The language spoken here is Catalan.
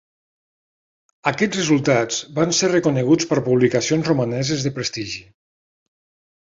Aquests resultats van ser reconeguts per publicacions romaneses de prestigi.